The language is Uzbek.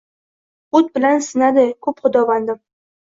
O‘t bilan sinadi ko‘p xudovandim